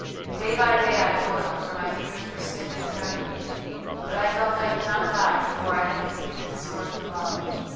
"Day by day I toiled, for my fingers were stiff and trembling, but I felt I could not die before I had completed this work of love.